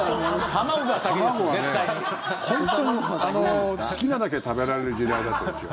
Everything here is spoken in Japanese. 卵はね、本当に好きなだけ食べられる時代だったですよ。